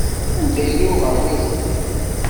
Anda yella uɣerbaz-nni?